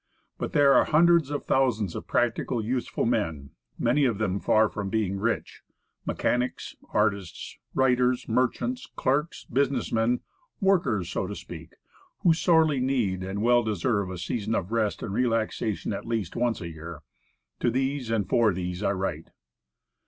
But there are hundreds of thousands of practical, useful men, many of them far from being rich; mechanics, artists, writers, merchants, clerks, business men workers, so to speak who sorely need and well deserve a season of rest and relaxation at least once a year. To these, and for these, I write.